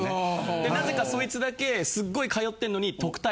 でなぜかそいつだけすっごい通ってんのに。